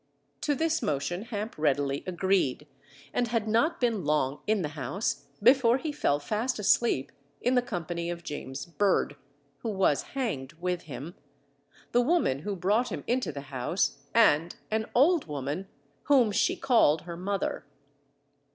To this motion Hamp readily agreed, and had not been long in the house before he fell fast asleep in the company of James Bird (who was hanged with him), the woman who brought him into the house, and an old woman, whom she called her mother.